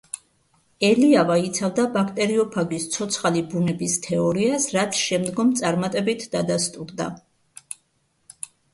ელიავა იცავდა ბაქტერიოფაგის ცოცხალი ბუნების თეორიას, რაც შემდგომ წარმატებით დადასტურდა.